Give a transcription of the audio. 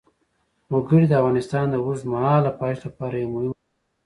وګړي د افغانستان د اوږدمهاله پایښت لپاره یو مهم رول لري.